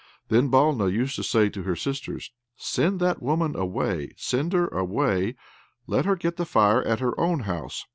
Then Balna used to say to her sisters, "Send that woman away; send her away. Let her get the fire at her own house.